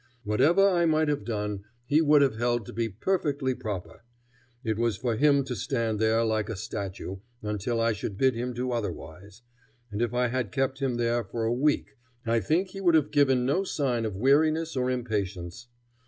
Whatever I might have done he would have held to be perfectly proper. It was for him to stand there like a statue, until I should bid him do otherwise, and if I had kept him there for a week I think he would have given no sign of weariness or impatience.